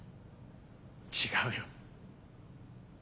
違うよ。